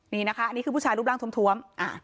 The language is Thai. นี่นะคะอันนี้คือผู้ชายรูปร่างทวม